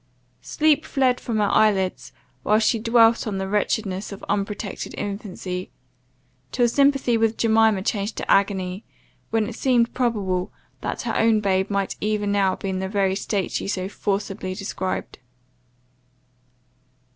Sleep fled from her eyelids, while she dwelt on the wretchedness of unprotected infancy, till sympathy with Jemima changed to agony, when it seemed probable that her own babe might even now be in the very state she so forcibly described.